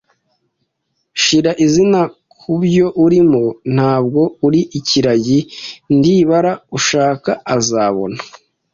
“Shira izina kubyo urimo; ntabwo uri ikiragi, ndibara. Ushaka azabona